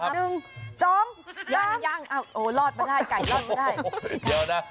โอ้รอดไม่ได้ไก่รอดไม่ได้